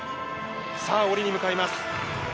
さあ、降りに向かいます。